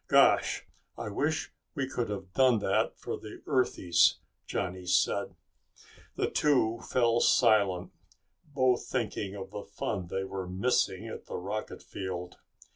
"Gosh, I wish we could have done that for the Earthies!" Johnny said The two fell silent, both thinking of the fun they were missing at the rocket field.